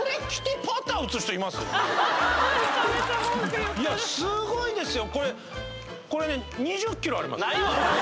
あのすごいですよ